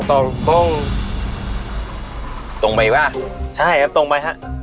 ต้องไปหรือเปล่าใช่ครับต้องไปครับ